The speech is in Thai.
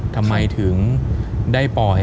ทำไมถึงได้ปล่อย